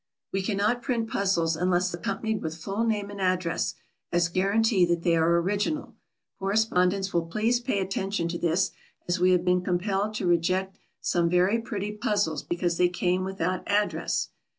We can not print puzzles unless accompanied with full name and address, as guarantee that they are original. Correspondents will please pay attention to this, as we have been compelled to reject some very pretty puzzles because they came without address.